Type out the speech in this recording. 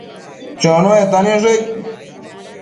Chonuecta niosh aid ?